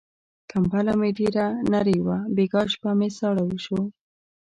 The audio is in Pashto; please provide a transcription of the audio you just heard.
کمپله مې ډېره نری وه، بيګاه شپه مې ساړه وشو.